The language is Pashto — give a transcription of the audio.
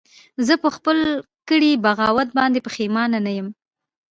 زه په خپل کړي بغاوت باندې پښیمانه نه یم